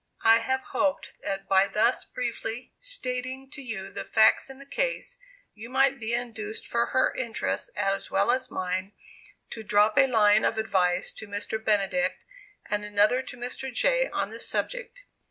I have hoped that by thus briefly stating to you the facts in the case, you might be induced for her interests as well as mine to drop a line of advice to Mr. Benedict and another to Mr. Jay on this subject.